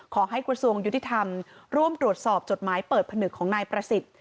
ขอให้กระทรวงยุติธรรมร่วมตรวจสอบจดหมายเปิดผนึกของนายประสิทธิ์